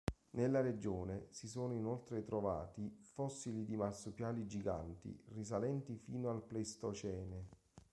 Nella Regione si sono inoltre trovati fossili di marsupiali giganti risalenti fino al pleistocene.